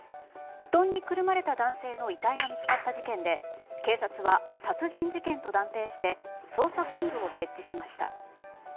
布団にくるまれた男性の遺体が見つかった事件で警察は殺人事件と断定して捜査本部を設置しました。